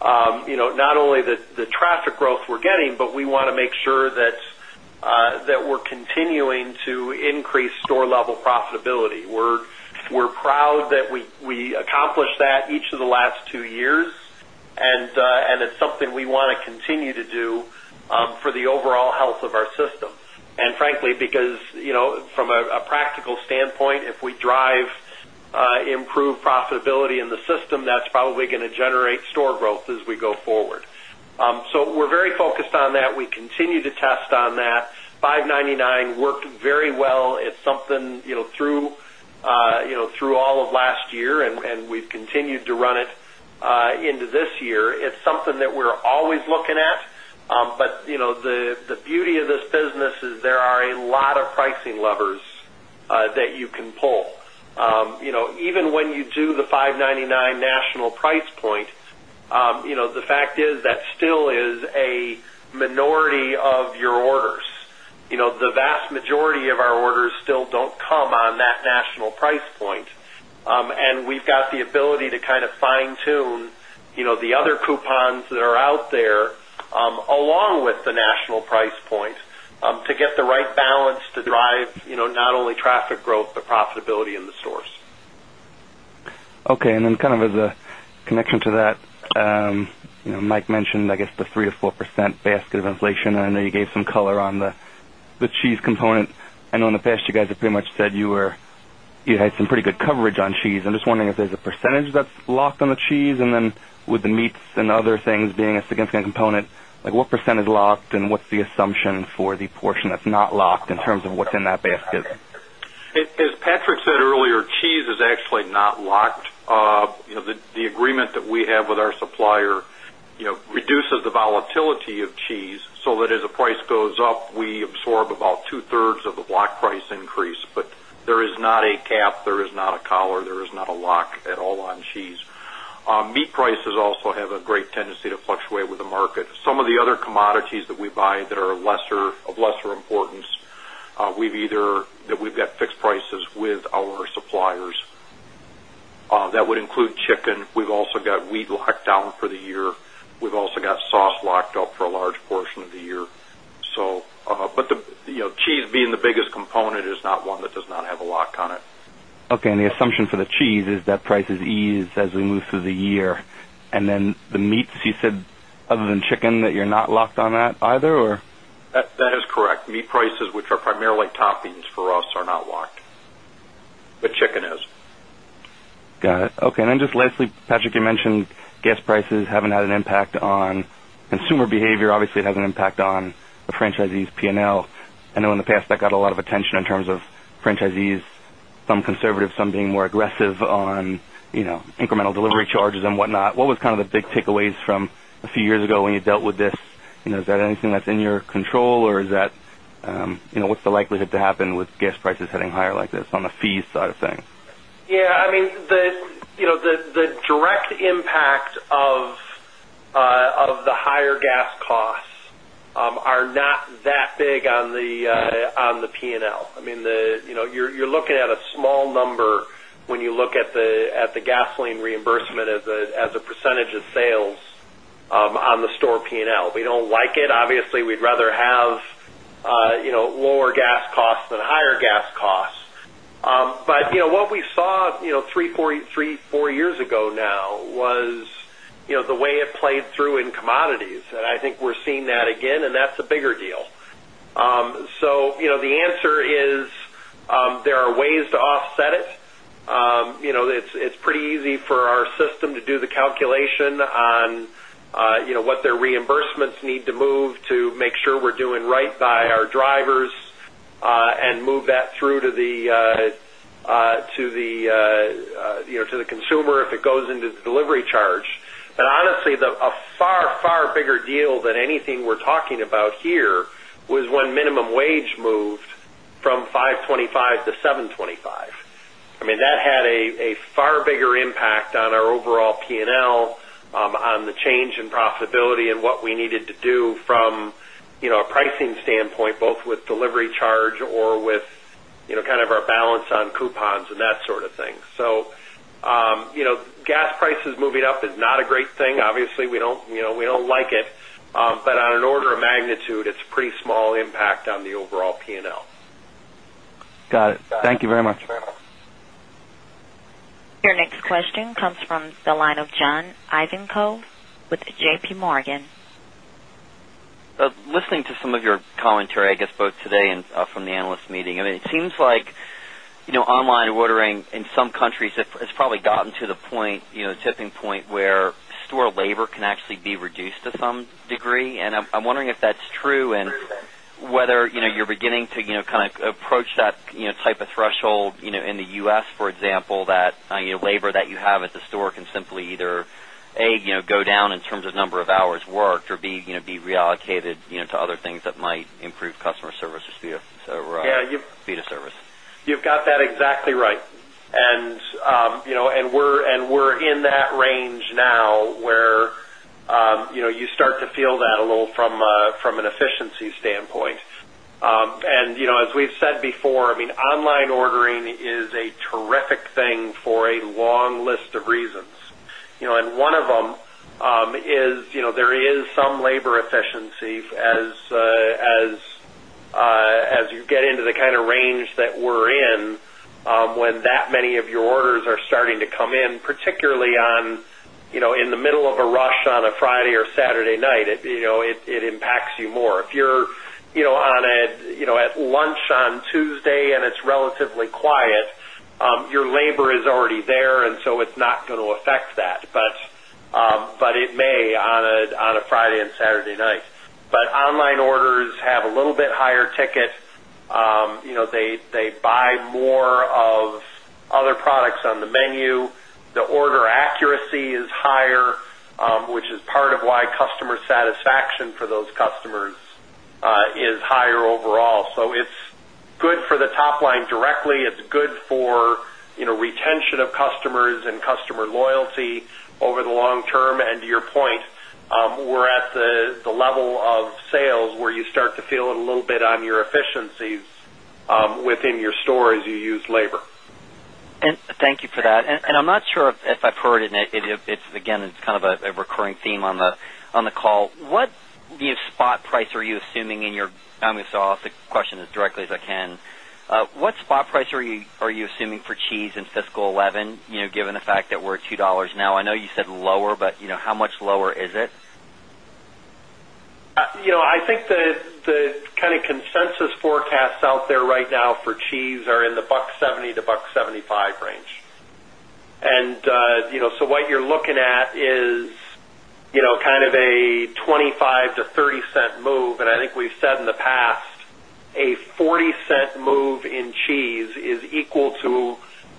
not only the traffic growth we're getting, but we want to make sure that we're continuing to increase store level profitability. We're proud that we accomplished that each of the last two years, and it's something we want to continue to do for the overall health of our system. And frankly, because from a practical standpoint, if we drive improved profitability in the system, that's probably going to generate store growth as we go forward. So we're very focused on that. We continue to test on that. Dollars 5.99 worked very well. It's something through all of last year, and we've continued to run it into this year. It's something that we're always looking at. But the beauty of this business is there are a lot of pricing levers that that you can pull. Even when you do the $5.99 national price point, the fact is that still is a minority of your orders. The vast majority of our orders still don't come on that national price point. And we've got the ability to kind of fine tune the other coupons that are out there along with the national price point to get the right balance to drive not only traffic growth, but profitability in the stores. Okay. And then kind of as a connection to that, Mike mentioned, I guess, the 3% to 4% basket of inflation. I know you gave some color on the cheese component. I know in the past, you guys have pretty much said you were you had some pretty good coverage on cheese. I'm just wondering if there's a percentage that's locked on the cheese. And then with the meats and other things being a significant component, like what percent is locked and what's the assumption for the portion that's not locked in terms of what's in that basket? As Patrick said earlier, cheese is actually not locked. The agreement that we have with our supplier reduces the volatility of cheese, so that as the price goes up, we absorb about two thirds of the block price increase. But there is not a cap, there is not a collar, there is not a lock at all on cheese. Meat prices also have a great tendency to fluctuate with market. Some of the other commodities that we buy that are of lesser importance, we've either that we've got fixed prices with our suppliers. That would include chicken. We've also got wheat locked down for the year. We've also got sauce locked up for a large portion of the year. So but the cheese being the biggest component is not one that does not have a lock on it. Okay. And the assumption for the cheese is that prices ease as we move through the year. And then the meats, you said other than chicken that you're not locked that either or? That is correct. Meat prices, which are primarily toppings for us are not locked, but chicken is. Got it. Okay. And then just lastly, Patrick, mentioned gas prices haven't had an impact on consumer behavior. Obviously, it has an impact on the franchisees' P and L. I know in the past, that got a lot of attention in terms of franchisees, some conservative, some being more aggressive on incremental delivery charges and whatnot. What was kind of the big takeaways from a few years ago when you dealt with this? Is that anything that's in your control? Or is that what's the likelihood to happen with gas prices heading higher like this on the fee side of things? Yes. I mean, the direct impact impact of the higher gas costs are not that big on the P and L. I mean, you're looking at a small number when you look at the gasoline reimbursement as a percentage of sales on the store P and L. We don't like it. Obviously, we'd rather have lower gas costs than higher gas costs. But what we saw three, four years ago now was the way it played through in commodities. And I think we're seeing that again, and that's a bigger deal. So the answer there are ways to offset it. It's pretty easy for our system to do the calculation on what their reimbursements need to move to make sure we're doing right by drivers and move that through to the consumer if it goes into the delivery charge. But honestly, a far, far bigger deal than anything we're talking about here was when minimum wage moved from $5.25 to $7.25 I mean, that had a far bigger impact on our overall P and L, on the change profitability and what we needed to do from a pricing standpoint, both with delivery charge or with kind of our balance on coupons and that sort of thing. So gas prices moving up is not a great thing. Obviously, we don't like it. But on an order of magnitude, it's pretty small impact on the overall P and L. Got it. Thank you very much. Your next question comes from the line of John Ivankoe with JPMorgan. Listening to some of your commentary, I guess, both today and from the analyst meeting, I mean, it seems like online ordering ordering in some countries has probably gotten to the point, tipping point, where store labor can actually be reduced to some degree. And I'm wondering if that's true and whether you're beginning to kind of approach type of threshold in The U. S, for example, that labor that you have at the store can simply either, a, go down in terms of number of hours worked or b, be reallocated to other things that might improve customer service speed Yes. Of You've got that exactly right. And we're in that range now where you start to feel that a little from an efficiency standpoint. And as we've said before, I mean, online ordering is a terrific thing for a long list of reasons. And one of them is there is some labor efficiencies as you get into into the kind of range that we're in, when that many of your orders are starting to come in, particularly on in the middle of a rush on a Friday or Saturday night, it impacts you more. If you're on a at lunch on Tuesday and it's relatively quiet, your labor is already there, and so it's not going to affect that. But it may on Friday and Saturday night. But online orders have a little bit higher ticket. They buy more of other products on the menu. The order accuracy is higher, which is part of why customer satisfaction for those customers is higher overall. So it's good for the top line directly. It's good for retention of customers customer loyalty over the long term. And to your point, we're at the level of sales where you start to feel a little bit on your efficiencies within your store as you use labor. I'm not sure if I've heard it, it's again, it's kind of a recurring theme on the call. What spot price are you assuming in your I'm going ask the question as directly as I can. What spot price are you assuming for cheese in fiscal 'eleven, given the fact that we're $2 now? I know you said lower, but how much lower is it? I think the kind of consensus forecasts out there right now for cheese are in the $0.7 to $1.75 range. And so what you're looking at is kind of a $0.25 to $0.30 move. And I think we've said in the past, a $0.40 move in cheese is equal to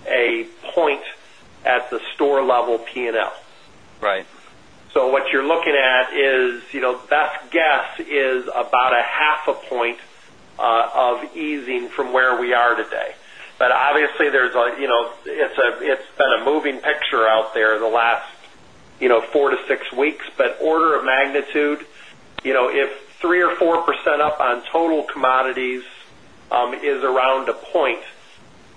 a point at the store level P and L. Right. So what you're looking at is best guess is about point of easing from where we are today. But obviously, there's a it's been a moving picture out there in the last four to six weeks. But order of magnitude, if 3% or 4% up on total commodities is around one point,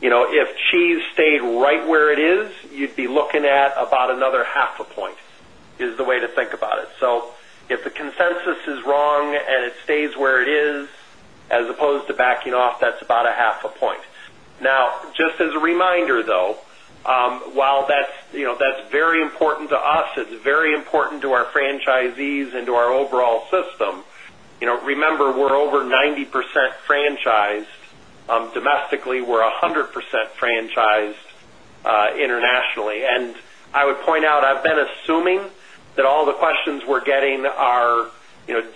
if cheese stayed right where it is, you'd be looking at about another zero five point is the way to think about it. So if the consensus is wrong and it stays where it is as opposed to backing off, that's about zero five point. Now just as a reminder, though, while that's very important to us, it's very important to our franchisees and to our overall system. Remember, we're over 90% franchised domestically. We're 100% franchised internationally. And I would point out, I've been assuming that all the questions we're getting are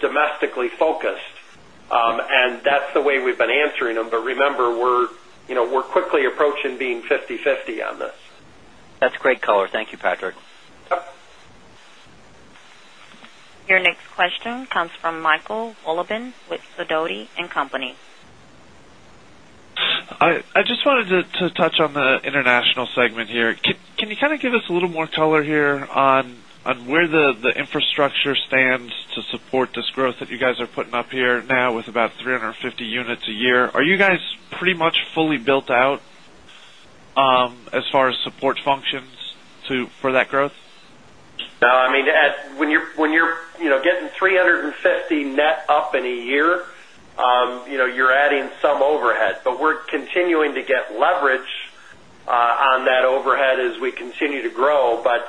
domestically focused. And that's the way we've been answering them. But remember, we're quickly approaching being fifty-fifty on this. Your next question comes from Michael Oleben with Sidoti and Company. I just wanted to touch on the International segment here. Can you kind of give us a little more color here on where the infrastructure stands to support this growth that you guys are putting up here now with about three fifty units a year. Are you guys pretty much fully built out as far as support functions to for that growth? No, I mean, when you're getting three fifty net up in a year, you're adding some overhead. But we're continuing to get leverage on that overhead as we continue to grow. But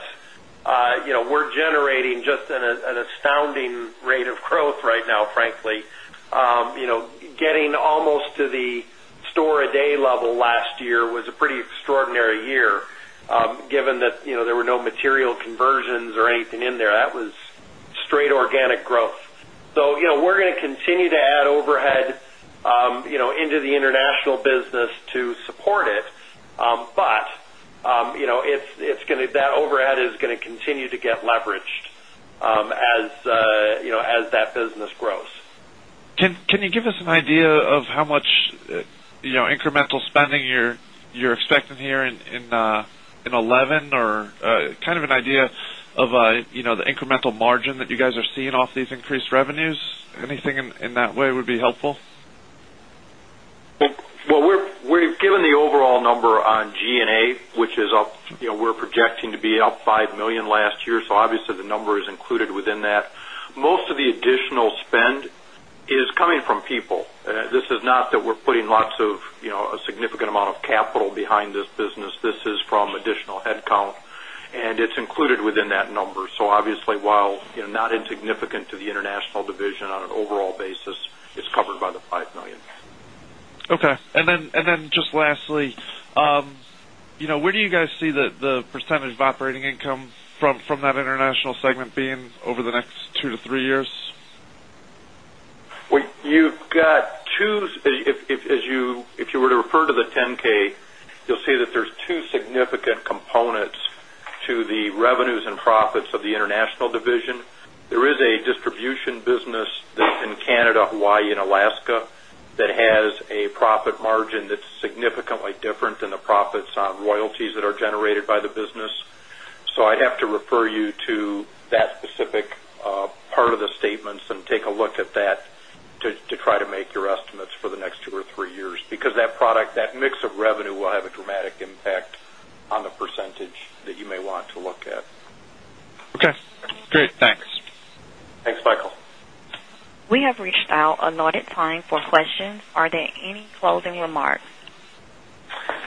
we're generating just an astounding rate of growth right now, frankly. Getting almost to the store a day level last year was a pretty extraordinary year, given that there were no material conversions or anything in there. That was straight organic growth. So we're continue to add overhead into the international business to support it. But it's going to that overhead is going to continue to get leveraged as that business grows. Can you give us an idea of how much incremental spending you're expecting here in 'eleven or kind of an idea of the incremental margin that you guys are seeing off these increased revenues? Anything in that way would be helpful. Well, we've given the overall number on G and A, which is up we're projecting to be up $5,000,000 last year. So obviously, the number is included within that. Most of the additional spend is coming from people. This is not that we're putting lots of a significant amount of capital behind this business. This is from additional headcount, and it's included within that number. Obviously, while not insignificant to the International division on an overall basis, it's covered by the $5,000,000 Okay. And then just lastly, where do you guys see the percentage of operating income from that International segment being over the next two to three years? Well, you've got two if you were to refer to the 10 ks, you'll see that there's two significant components to the revenues and profits of the International division. There is a distribution business that's in Canada, Hawaii and Alaska that has a profit margin that's significantly different than the profits on royalties that are generated by the business. So I'd have to refer you to that specific part of the statements and take a look at that to try to make your estimates for the next two or three years because that product that mix of revenue will have a dramatic impact on the percentage that you may want to look at. We have reached our anointed time for questions. Are there any closing remarks?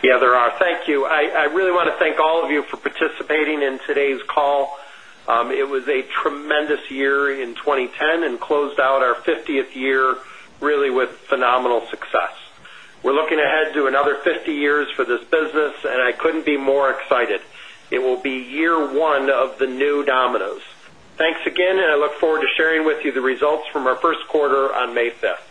Yes, there are. Thank you. I really want to thank all of you for participating in today's call. It was tremendous year in 2010 and closed out our fiftieth year really with phenomenal success. We're looking ahead to another fifty years for this business, and I couldn't be more excited. It will be year one of the new Domino's. Thanks again, and I look forward to sharing with you the results from our first quarter on May 5.